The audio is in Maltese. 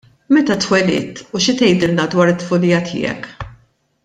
Meta twelidt u xi tgħidilna dwar it-tfulija tiegħek?